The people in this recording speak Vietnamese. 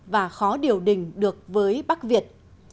và khó điều đình được với bắc việt